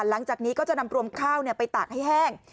หลังจากนี้ก็จะนำรวมข้าวไปตากให้แห้ง